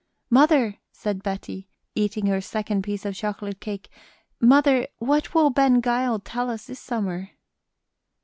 "Mother," said Betty, eating her second piece of chocolate cake "mother, what will Ben Gile tell us this summer?"